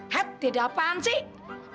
hap tidak apa apa